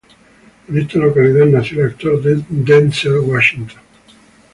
En esta localidad nació el actor Denzel Washington.